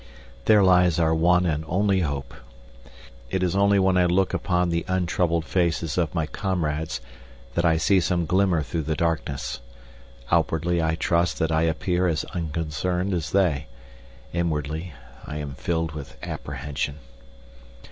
There lies our one and only hope. It is only when I look upon the untroubled faces of my comrades that I see some glimmer through the darkness. Outwardly I trust that I appear as unconcerned as they. Inwardly I am filled with apprehension.